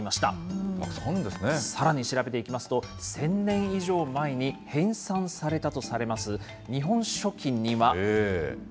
さらに調べていきますと、１０００年以上前に編さんされたとされます、日本書紀には。